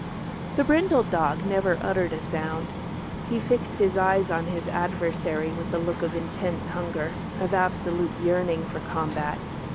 The brindled dog never uttered a sound. He fixed his eyes on his adversary with a look of intense hunger, of absolute yearning for combat.